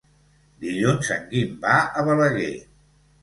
Dilluns en Guim va a Balaguer.